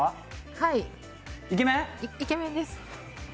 はい、イケメンです。